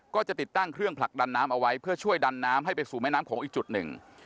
ก็จะติดตั้งเครื่องผลักดันน้ำเอาไว้เพื่อช่วยดันน้ำให้ไปสู่แม่น้ำโขงอีกจุดหนึ่ง